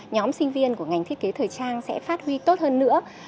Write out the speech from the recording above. nhóm sinh viên của ngành thiết kế thời trang sẽ phát huy tốt hơn nữa